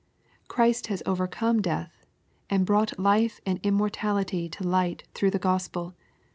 Christ has overcome death, and " brought life and immortality to light through the Gospel.''